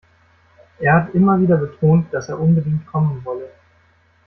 Er hat immer wieder betont, dass er unbedingt kommen wolle.